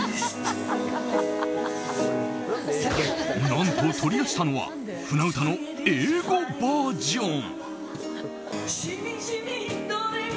何と取り出したのは「舟唄」の英語バージョン！